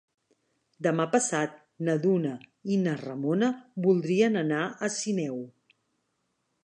Demà passat na Duna i na Ramona voldrien anar a Sineu.